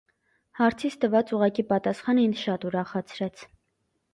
Հարցիս տված ուղղակի պատասխանը ինձ շատ ուրախացրեց: